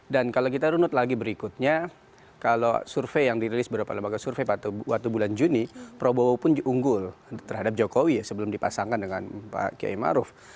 dan kalau kita runut lagi berikutnya kalau survei yang dirilis beberapa lembaga survei waktu bulan juni prabowo pun unggul terhadap jokowi ya sebelum dipasangkan dengan pak kiai maruf